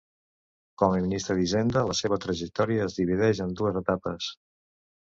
Com a ministre d'Hisenda, la seva trajectòria es divideix en dues etapes.